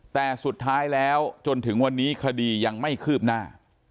แต่สุดท้ายแล้วจนถึงวันนี้คดียังไม่คืบหน้า